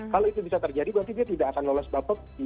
kalau itu bisa terjadi berarti dia tidak akan lolos bapepti